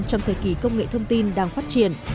trong thời kỳ công nghệ thông tin đang phát triển